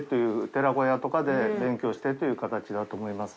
寺子屋とかで勉強してという形だと思います。